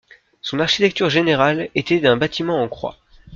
Son architecture générale était d’un bâtiment en croix.